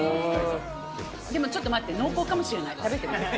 でもちょっと待って、濃厚かもしれない。